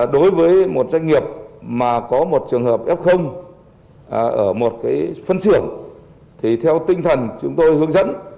đối với một doanh nghiệp mà có một trường hợp f ở một phân xưởng thì theo tinh thần chúng tôi hướng dẫn